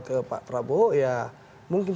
ke pak prabowo ya mungkin